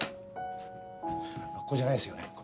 あっここじゃないですよね。